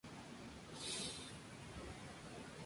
Unas pocas copias contienen ambas partes.